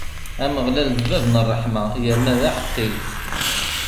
Ameɣlal, d bab n ṛṛeḥma, yerna d aḥeqqi.